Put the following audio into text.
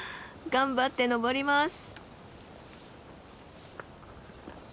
頑張って登ります！